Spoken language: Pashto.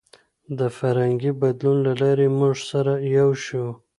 د فرهنګي بدلون له لارې موږ سره یو شو.